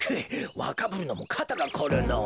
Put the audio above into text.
わかぶるのもかたがこるのぉ。